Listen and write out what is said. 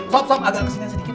sob agak kesinian sedikit